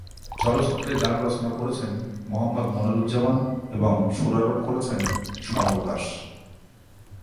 চলচ্চিত্রের গান রচনা করেছেন মোহাম্মদ মনিরুজ্জামান এবং সুরারোপ করেছেন সমর দাস।